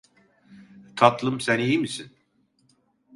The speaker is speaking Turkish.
Tatlım, sen iyi misin?